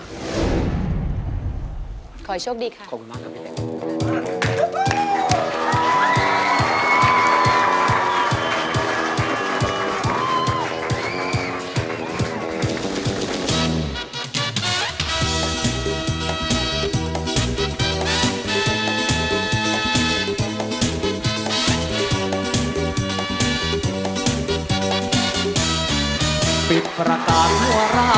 ขอโชคดีค่ะ